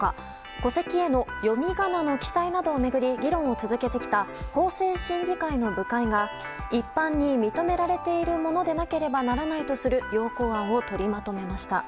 戸籍への読み仮名の記載などを巡り、議論を続けてきた法制審議会の部会が一般に認められているものでなければならないとする要綱案を取りまとめました。